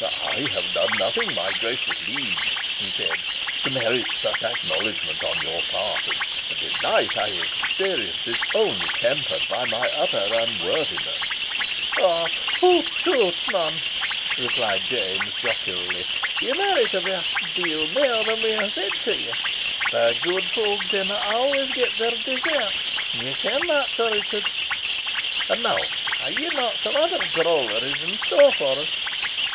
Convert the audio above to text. "I have done nothing, my gracious liege," he said, "to merit such acknowledgment on your part, and the delight I experience is only tempered by my utter unworthiness." "Hoot toot! man," replied James, jocularly, "ye merit a vast deal mair than we hae said to you. But gude folk dinna always get their deserts. Ye ken that, Sir Richard. And now, hae ye not some ither drolleries in store for us?"